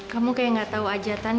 kamu kayak nggak tahu aja tan